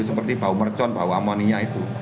seperti bau mercon bau amonia itu